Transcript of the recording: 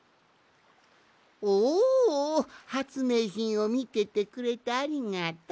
おおはつめいひんをみててくれてありがとう。